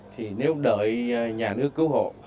thì nếu đợi nhà nước cứu hộ